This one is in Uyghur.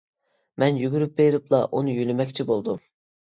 مەن يۈگۈرۈپ بېرىپلا ئۇنى يۆلىمەكچى بولدۇم.